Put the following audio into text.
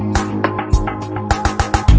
วิ่งเร็วมากครับ